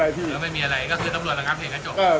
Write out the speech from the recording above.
ก็ไม่มีอะไรก็คือตำรวจละครับเห็นกันจบ